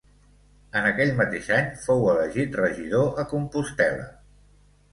En aquell mateix any fou elegit regidor a Compostel·la.